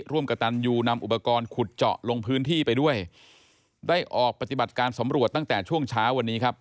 ร่วมกับตันยูนำอุปกรณ์ขุดเจาะลงพื้นที่ไปด้วยได้ออกปฏิบัติการสำรวจตั้งแต่ช่วงเช้าวันนี้ครับ